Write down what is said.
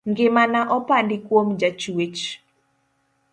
Ngimana opandi kuom jachuech.